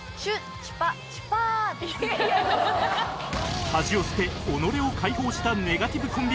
恥を捨て己を解放したネガティブコンビが大暴走！